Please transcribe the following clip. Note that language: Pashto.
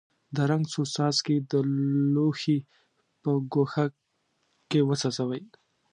د رنګ څو څاڅکي د لوښي په ګوښه کې وڅڅوئ.